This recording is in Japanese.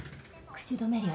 口止め料